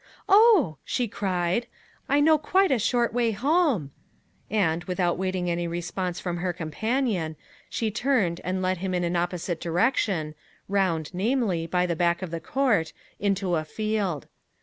"Oh," she cried, "I know quite a short way home!" and, without waiting any response from her companion, she turned, and led him in an opposite direction, round, namely, by the back of the court, into a field.